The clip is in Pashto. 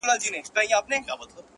سترګي دي هغسي نشه وې، نشه یي ـ یې کړمه